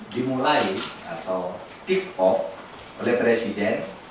dimulai atau tip off oleh presiden